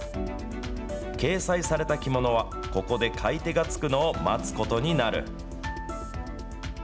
掲載された着物は、ここで買い手がつくのを待つことになる。